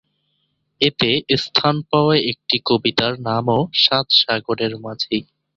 এতে স্থান পাওয়া একটি কবিতার নামও সাত সাগরের মাঝি।